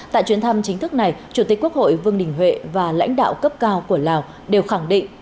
tại chuyến thăm chính thức này chủ tịch quốc hội vương đình huệ và lãnh đạo cấp cao của lào đều khẳng định